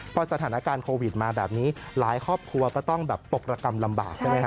พอสถานการณ์โควิดมาแบบนี้หลายครอบครัวก็ต้องแบบตกระกำลำบากใช่ไหมฮ